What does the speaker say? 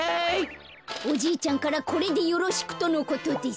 おじいちゃんから「これでよろしく」とのことです。